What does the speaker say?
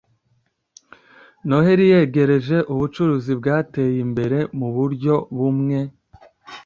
noheri yegereje, ubucuruzi bwateye imbere muburyo bumwe